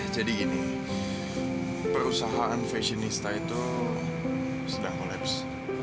jadi gini perusahaan fashionista itu sedang kolaps